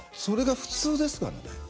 それが普通ですからね。